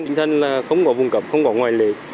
tình thân là không có vùng cập không có ngoài lề